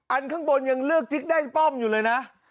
ข้างบนยังเลือกจิ๊กได้ป้อมอยู่เลยนะ